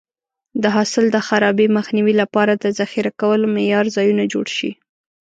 د حاصل د خرابي مخنیوي لپاره د ذخیره کولو معیاري ځایونه جوړ شي.